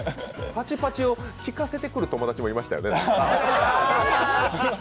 パチパチを聞かせてくる友達もいましたよね。